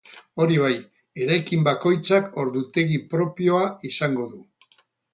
Hori bai, eraikin bakoitzak ordutegi propioa izango du.